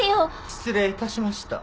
失礼致しました。